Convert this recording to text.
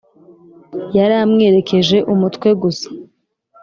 yaramwerekeje umutwe gusa.